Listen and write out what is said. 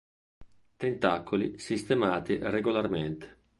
Tentacoli sistemati regolarmente.